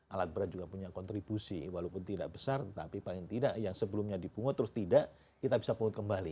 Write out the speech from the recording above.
alat berat juga punya kontribusi walaupun tidak besar tetapi paling tidak yang sebelumnya dipungut terus tidak kita bisa pungut kembali